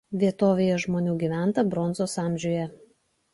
Vietovėje žmonių gyventa Bronzos amžiuje.